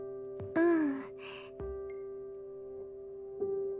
うん。